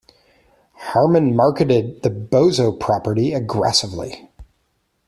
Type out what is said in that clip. Harmon marketed the Bozo property aggressively.